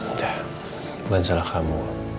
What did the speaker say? udah bukan salah kamu